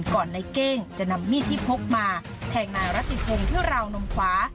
ในเก้งจะนำมีดที่พกมาแทงนายรัติพงศ์ที่ราวนมขวา